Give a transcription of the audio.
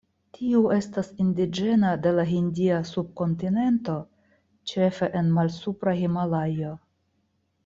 Tiu estas indiĝena de la Hindia subkontinento, ĉefe en Malsupra Himalajo.